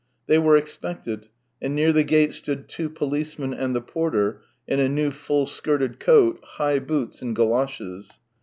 They were expected, and near the gate stood two pohcemen and the porter in a new full skirted coat, high boots, and goloshes.